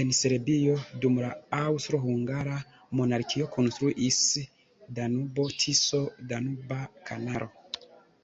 En Serbio dum la Aŭstro-Hungara Monarkio konstruiĝis Danubo-Tiso-Danuba Kanalo.